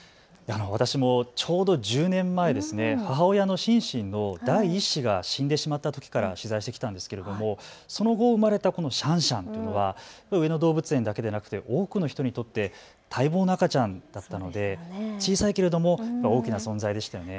私もちょうど１０年前、母親のシンシンの第１子が死んでしまったときから取材してきたんですけれどもその後、生まれたこのシャンシャンは上野動物園だけでなく多くの人にとって待望の赤ちゃんだったので小さいけれども大きな存在でしたね。